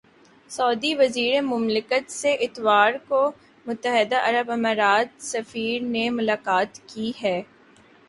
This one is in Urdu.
سعودی وزیر مملکت سے اتوار کو متحدہ عرب امارات سفیر نے ملاقات کی ہے